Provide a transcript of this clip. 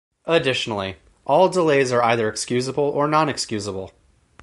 Additionally, all delays are either excusable or non-excusable.